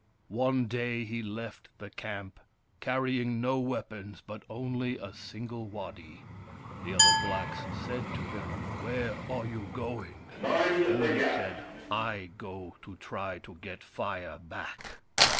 One day he left the camp, carrying no weapons, but only a single waddy. The other blacks said to him :" Where are you going ?" Wurip said, " I go to try to get Fire back."